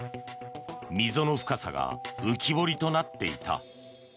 溝の深さが浮き彫りとなっていた。